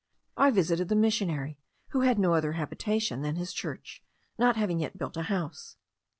I visited the missionary, who had no other habitation than his church, not having yet built a house.